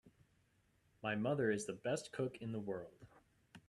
My mother is the best cook in the world!